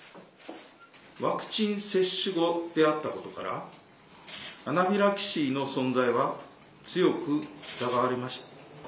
ワクチン接種後であったことから、アナフィラキシーの存在は強く疑われました。